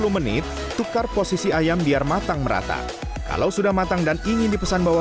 sepuluh menit tukar posisi ayam biar matang merata kalau sudah matang dan ingin dipesan bawa